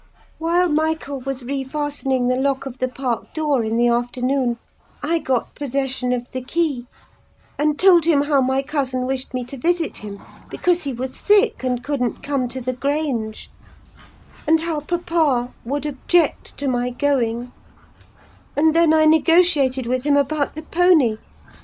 While Michael was refastening the lock of the park door in the afternoon, I got possession of the key, and told him how my cousin wished me to visit him, because he was sick, and couldn't come to the Grange; and how papa would object to my going: and then I negotiated with him about the pony.